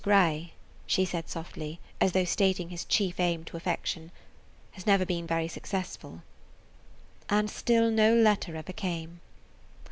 Grey," she said softly, as though stating his chief aim to affection, "has never been very successful." And still no letter ever came.